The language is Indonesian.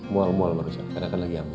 mual mual barusan karena kan lagi ambil